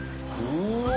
うわ！